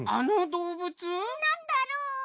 なんだろう？